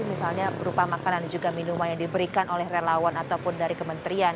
misalnya berupa makanan juga minuman yang diberikan oleh relawan ataupun dari kementerian